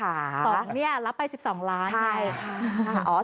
เอาล่ะเนี่ยรับไปสิบสองล้านเนี่ยใช่ค่ะ